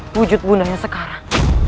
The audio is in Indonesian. wujud bundanya sekarang